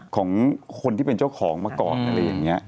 ของคนที่เป็นเจ้าของมาก่อนอะไรอย่างนี้